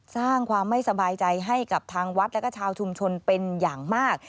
สร้างความไม่สบายใจให้กับทางวัดและก็ชาวชุมชนเป็นอย่างมาก